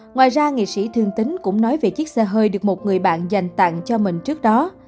ngoài ra nghị sĩ thương tính cũng nói về chiếc xe hơi được một người bạn dành tặng cho mình trước đó